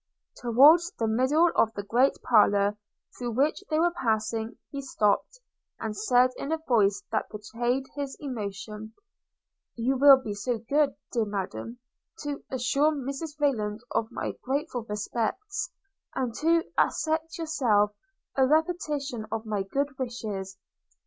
Towards the middle of the great parlour, through which they were passing, he stopped, and said in a voice that betrayed his emotion – 'You will be so good, dear Madam, to assure Mrs Rayland of my grateful respects, and to accept yourself a repetition of my good wishes.'